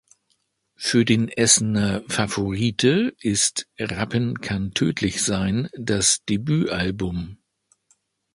Für den Essener Favorite ist "Rappen kann tödlich sein" das Debütalbum.